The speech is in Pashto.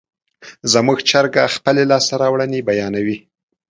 زموږ چرګه خپلې لاسته راوړنې بیانوي.